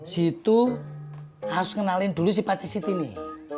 si itu harus ngenalin dulu si patet siti nih